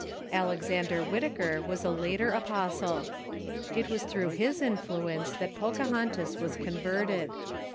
Alexander Whitaker was a later apostle. It was through his influence that Pocahontas Avas con verted.